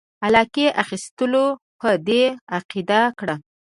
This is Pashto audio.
علاقې اخیستلو په دې عقیده کړ.